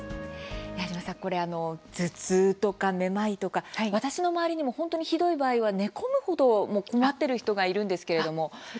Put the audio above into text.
矢島さん、頭痛とかめまいとか私の周りにも本当にひどい場合は寝込むほど困っている人がいるんですけれども。